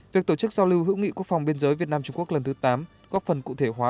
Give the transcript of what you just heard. việc tổ chức giao lưu hữu nghị quốc phòng biên giới việt nam trung quốc lần thứ tám góp phần cụ thể hóa